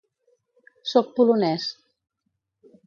Soc polonès.